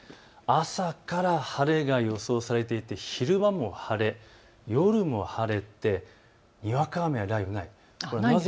朝から晴れが予想されていて昼間も晴れ、夜も晴れてにわか雨や雷雨がない。